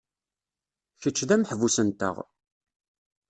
Kečč d ameḥbus-nteɣ.